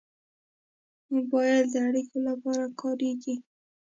موبایل د اړیکو لپاره کارېږي.